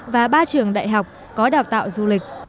và ba trường đại học có đào tạo du lịch